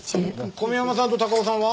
小宮山さんと高尾さんは？